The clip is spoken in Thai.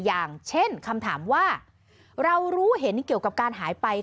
อย่างเช่นคำถามว่าเรารู้เห็นเกี่ยวกับการหายไป